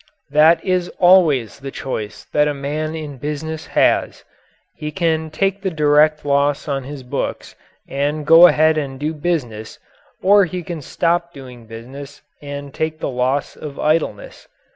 That is always the choice that a man in business has. He can take the direct loss on his books and go ahead and do business or he can stop doing business and take the loss of idleness.